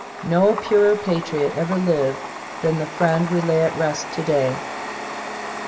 No purer patriot ever lived than the friend w^e lay at rest to day.